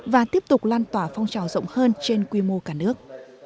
và tiếp tục lan tỏa phong trào rộng hơn trên quy mô cả nước